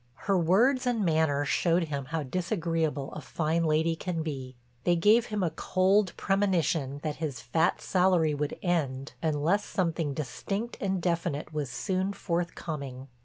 Her words and manner showed him how disagreeable a fine lady can be; they gave him a cold premonition that his fat salary would end unless something distinct and definite was soon forthcoming.